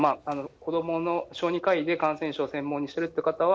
子どもの小児科医で、感染症を専門にしてるっていう方は、